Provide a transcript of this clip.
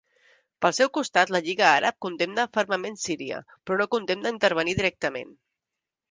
Pel seu costat, la Lliga Àrab condemna fermament Síria però no considera intervenir directament.